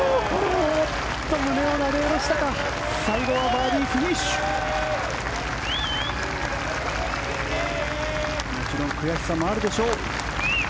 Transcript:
もちろん悔しさもあるでしょう。